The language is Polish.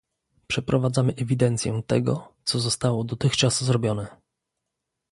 Przeprowadzamy ewidencję tego, co zostało dotychczas zrobione